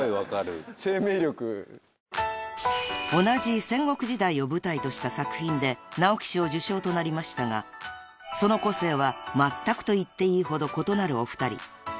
［同じ戦国時代を舞台とした作品で直木賞受賞となりましたがその個性はまったくといっていいほど異なるお二人］